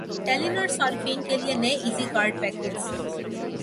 ٹیلی نار صارفین کے لیے نئے ایزی کارڈ پیکجز